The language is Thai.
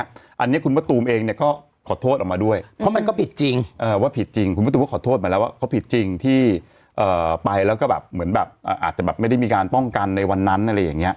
อันนี้คุณประตูมเองนี่ก็ขอโทษออกมาด้วย